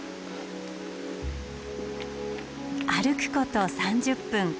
歩くこと３０分。